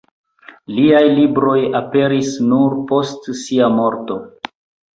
Liaj libroj aperis nur post sia morto.